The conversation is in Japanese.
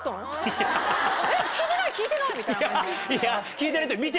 聞いてないって。